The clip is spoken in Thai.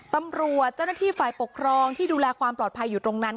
ตำรวจเจ้าหน้าที่ฝ่ายปกครองที่ดูแลความปลอดภัยอยู่ตรงนั้น